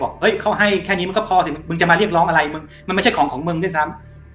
แค่มันให้แค่นี้พอสิมันจะมาเรียกร้องอะไรมันไม่ใช่ของของมึงที่สาม